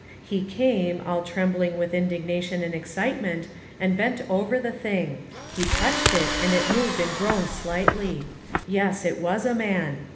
He came, all trembling with indignation and excitement, and bent over the thing. He touched it, and it moved and groaned slightly. Yes, it was a man.